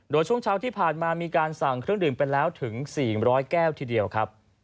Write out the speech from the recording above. โดยช่วงเช้าที่ผ่านมามีการสั่งเครื่องดื่มไปแล้วถึง๔๐๐แก้วทีเดียวครับ